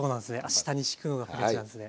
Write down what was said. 下にしくのがフレンチなんですね。